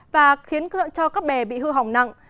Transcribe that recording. và khiến cho các bẻ bị hư hỏng nặng